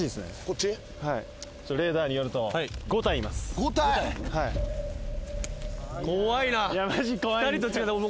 レーダーによると５体います怖いな。